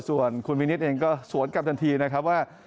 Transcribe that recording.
ส่วนคุณวินิตเองก็สวนกลับทันทีนะครับว่า